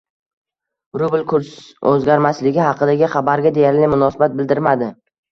Rubl kurs o'zgarmasligi haqidagi xabarga deyarli munosabat bildirmadi